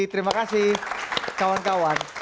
terima kasih kawan kawan